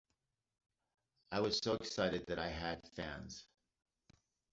I was so excited that I had fans!